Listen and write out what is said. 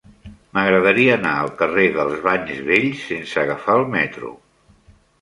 M'agradaria anar al carrer dels Banys Vells sense agafar el metro.